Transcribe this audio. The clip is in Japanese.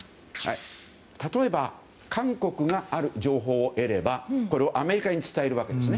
例えば、韓国がある情報を得ればこれをアメリカに伝えるわけです。